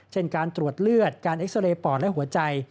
เช่นการตรวจเลือดการเอ็กซาเรย์ปอดและหัวใจ